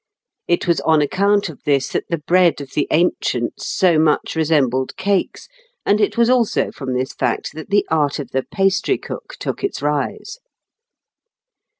It was on account of this that the bread of the ancients so much resembled cakes, and it was also from this fact that the art of the pastrycook took its rise.